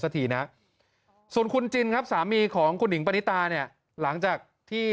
ทีนะส่วนคุณจินครับสามีของคุณหิงปณิตาเนี่ยหลังจากที่